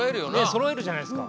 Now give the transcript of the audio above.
そろえるじゃないですか。